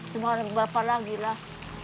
cuma berapa lagi lah